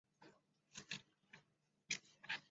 苞片狸藻为狸藻属中型似多年生食虫植物。